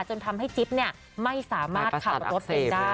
จนทำให้จิ๊บไม่สามารถขับรถเป็นได้